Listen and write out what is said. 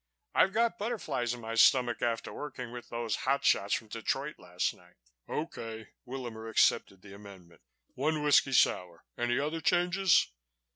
"I've got butterflies in my stomach after working with those hot shots from Detroit last night." "Okay," Willamer accepted the amendment. "One whiskey sour. Any other changes?"